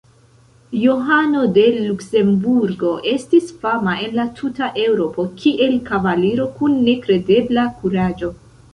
Johano de Luksemburgo estis fama en la tuta Eŭropo kiel kavaliro kun nekredebla kuraĝo.